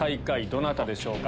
どなたでしょうか？